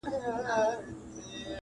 د هسکو غرونو درې ډکي کړلې،